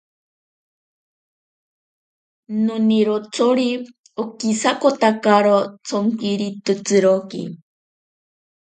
Nonirotsori okisakotakaro tsonkitiroki.